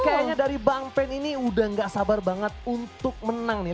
kayaknya dari bang pen ini udah gak sabar banget untuk menang nih